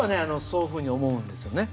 そういうふうに思うんですよね。